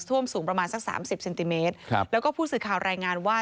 สูงประมาณสักสามสิบเซนติเมตรครับแล้วก็ผู้สื่อข่าวรายงานว่า